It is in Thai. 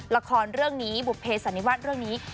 ละครเรื่องนี้บุภเสันนิวาสเรื่องนี้